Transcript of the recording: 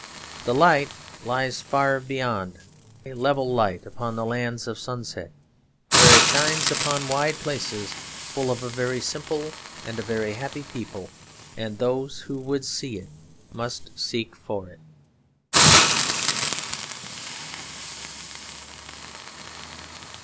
The light lies far beyond, a level light upon the lands of sunset, where it shines upon wide places full of a very simple and a very happy people; and those who would see it must seek for it.